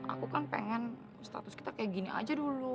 aku kan pengen status kita kayak gini aja dulu